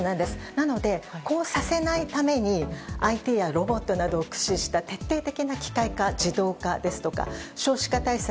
なのでこうさせないためにＩＴやロボットなどを駆使した徹底的な機械化、自動化ですとか少子化対策